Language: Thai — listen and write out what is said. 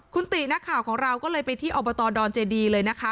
คุณตินักข่าวของเราก็เลยไปที่อบตดอนเจดีเลยนะคะ